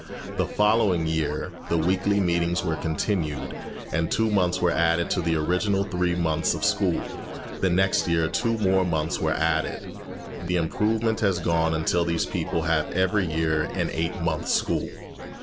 The following year the weekly meetings were continued, and two months were added to the original three months of school. The next year two more months were added. The improvement has gone on until these people have every year an eight months' school.